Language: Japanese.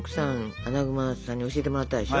アナグマさんに教えてもらったでしょ。